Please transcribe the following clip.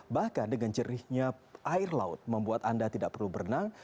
bahkan dengan jernihnya air laut membuat anda tidak perlu berenang